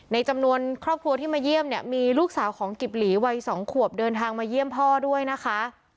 ในจำนวนครอบครัวที่มาเยี่ยมเนี่ยมีลูกสาวของกิบหลีวัย๒ขวบเดินทางมาเยี่ยมพ่อด้วยนะคะ